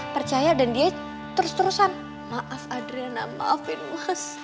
percaya dan dia terus terusan maaf adrena maafin mas